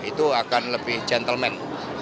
itu akan lebih gentleman